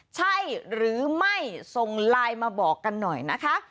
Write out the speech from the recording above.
ใช่หรือไม่ส่งไลน์มาบอกกันหน่อยนะคะ